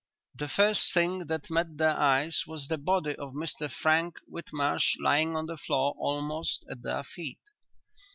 The first thing that met their eyes was the body of Mr Frank Whitmarsh lying on the floor almost at their feet.